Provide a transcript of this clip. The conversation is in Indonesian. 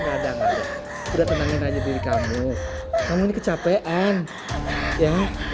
kadang udah tenangin aja diri kamu kamu ini kecapean ya